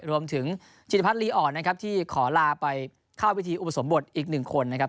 รวมถึงจิตพัฒนลีอ่อนนะครับที่ขอลาไปเข้าพิธีอุปสมบทอีกหนึ่งคนนะครับ